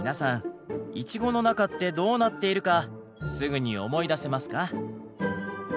イチゴの中ってどうなっているかすぐに思い出せますか？